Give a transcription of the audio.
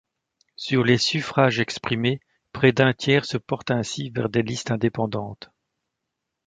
Sur les suffrages exprimés, près d'un tiers se portent ainsi vers des listes indépendantes.